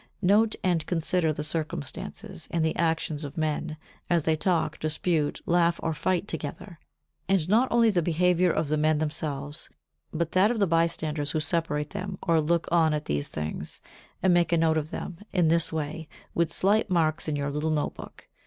Note and consider the circumstances and the actions or men, as they talk, dispute, laugh or fight together, and not only the behaviour of the men themselves, but that of the bystanders who separate them or look on at these things; and make a note of them, in this way, with slight marks in your little note book.